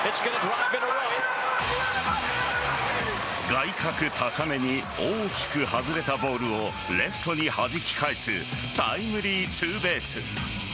外角高めに大きく外れたボールをレフトにはじき返すタイムリーツーベース。